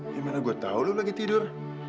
ya mana gue tau lu lagi tidur